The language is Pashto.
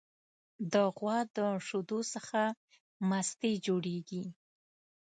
د غوا د شیدو څخه مستې جوړیږي.